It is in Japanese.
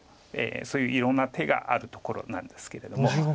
そういういろんな手があるところなんですけれども。